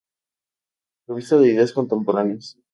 Revista de ideas contemporáneas".